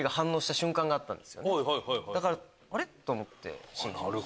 だからあれ？と思ってＣにしました。